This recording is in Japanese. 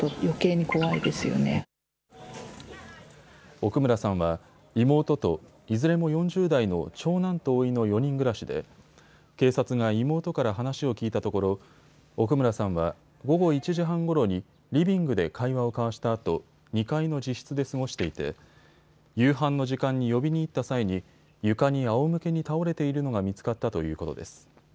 奥村さんは妹といずれも４０代の長男とおいの４人暮らしで警察が妹から話を聞いたところ奥村さんは午後１時半ごろにリビングで会話を交わしたあと２階の自室で過ごしていて夕飯の時間に呼びに行った際に床にあおむけに倒れているのが見つかったということです。